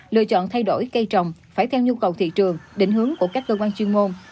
lựa chọn thay đổi cây trồng phải theo nhu cầu thị trường định hướng của các cơ quan chuyên môn